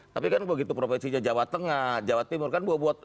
tapi kan begitu provinsinya jawa tengah jawa timur kan bobot